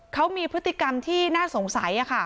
เขามีพฤติกรรมที่น่าสงสัย